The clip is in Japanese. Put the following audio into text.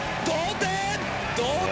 同点！